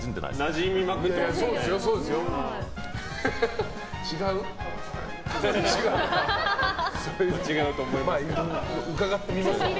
なじみまくってますね。